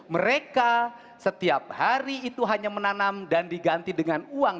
mereka setiap hari itu hanya menanam dan diganti dengan uang